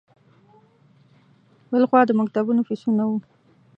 بل خوا د مکتبونو فیسونه وو.